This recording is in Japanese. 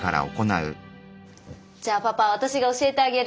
じゃあパパ私が教えてあげる。